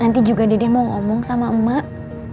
nanti juga dede mau ngomong sama emak